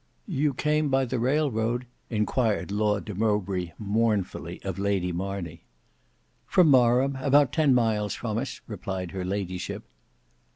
"You came by the railroad?" enquired Lord de Mowbray mournfully, of Lady Marney. "From Marham; about ten miles from us," replied her ladyship.